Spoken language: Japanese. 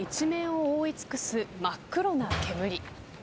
そして、辺り一面を覆い尽くす真っ黒な煙。